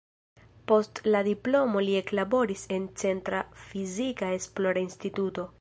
Post la diplomo li eklaboris en "Centra Fizika Esplora Instituto".